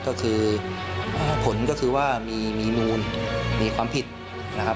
ก็คือผลก็คือว่ามีนูลมีความผิดนะครับ